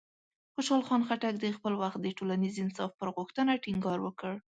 خوشحال خان خټک د خپل وخت د ټولنیز انصاف پر غوښتنه ټینګار وکړ.